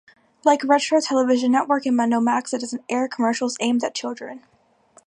Like Retro Television Network and MundoMax, it doesn't air commercials aimed at children.